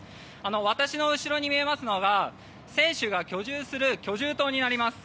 私の後ろに見えますのが選手が居住する居住棟になります。